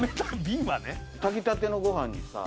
炊きたてのご飯にさ。